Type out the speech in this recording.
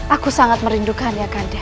aku sangat merindukan ya kanda